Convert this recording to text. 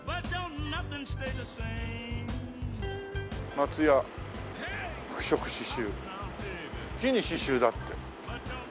「マツヤ服飾ししゅう」「木に刺しゅう」だって。